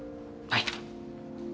はい。